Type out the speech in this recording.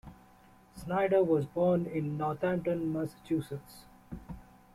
Snyder was born in Northampton, Massachusetts.